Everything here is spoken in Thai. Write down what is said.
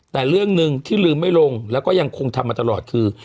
แต่เรื่องหนึ่งที่ลืมไม่ลงแล้วก็ยังคงทำมาตลอดคือ